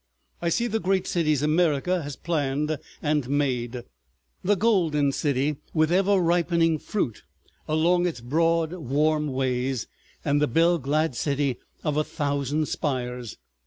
I see the great cities America has planned and made; the Golden City, with ever ripening fruit along its broad warm ways, and the bell glad City of a Thousand Spires.